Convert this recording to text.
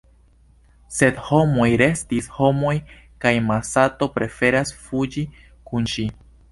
Sed “homoj restis homoj kaj Masato preferas fuĝi kun ŝi.